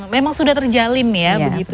memang sudah terjalin ya